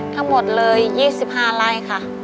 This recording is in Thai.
ทั้งหมดเลย๒๕ไร่ค่ะ